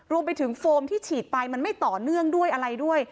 รวมไปถึงโฟมที่ฉีดไปมันไม่ต่อเนื่องด้วยอะไรด้วย